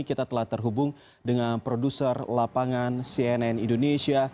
kita telah terhubung dengan produser lapangan cnn indonesia